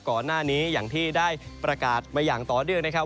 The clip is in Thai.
ก่อนหน้านี้อย่างที่ได้ประกาศมาอย่างต่อเนื่องนะครับ